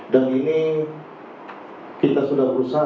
dan ini kita sudah berusaha